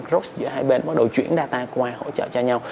rock giữa hai bên bắt đầu chuyển data qua hỗ trợ cho nhau